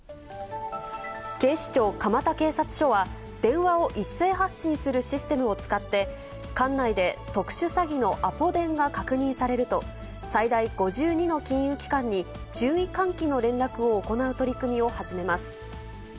警視庁蒲田警察署は、電話を一斉発信するシステムを使って、管内で特殊詐欺のアポ電が確認されると、最大５２の金融機関に注意喚起の連絡を行う取り組みを始めます。